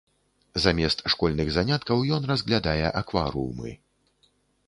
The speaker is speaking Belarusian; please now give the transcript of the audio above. Замест школьных заняткаў ён разглядае акварыумы.